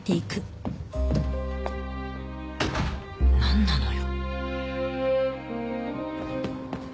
何なのよ。